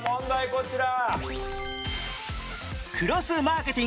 こちら。